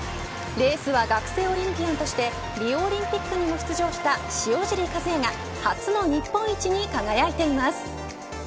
レースは学生オリンピアンとしてリオオリンピックにも出場した塩尻和也が初の日本一に輝いています。